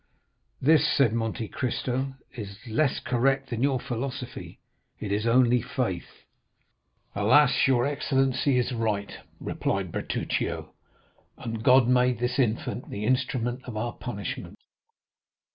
'" "This," said Monte Cristo, "is less correct than your philosophy,—it is only faith." "Alas, your excellency is right," replied Bertuccio, "and God made this infant the instrument of our punishment.